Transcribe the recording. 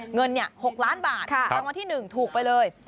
เงิน๖ล้านบาทรางวัลที่๑ถูกไปเลย